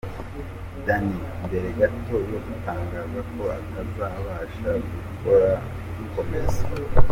Danny mbere gato yo gutangaza ko atazabasha gukomeza.